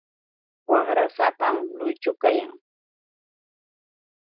Waqrasapam lluychu kayan.